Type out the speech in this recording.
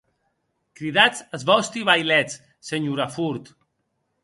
Cridatz as vòsti vailets, senhora Ford.